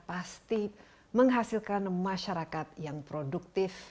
pasti menghasilkan masyarakat yang produktif